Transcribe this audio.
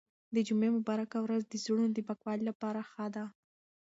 د جمعې مبارکه ورځ د زړونو د پاکوالي لپاره ښه ده.